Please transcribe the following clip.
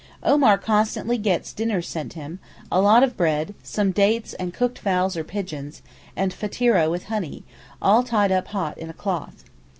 Omar constantly gets dinners sent him, a lot of bread, some dates and cooked fowls or pigeons, and fateereh with honey, all tied up hot in a cloth.